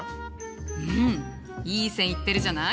うんいい線いってるじゃない。